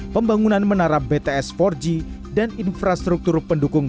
pembangunan menara bts empat g dan infrastruktur pendukung